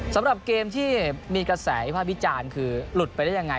สำหรับเกมที่มีกระแสวิภาพวิจารณ์คือหลุดไปได้ยังไง